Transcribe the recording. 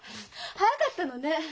早かったのね。